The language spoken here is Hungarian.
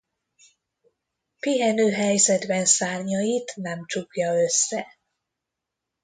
Pihenő helyzetben szárnyait nem csukja össze.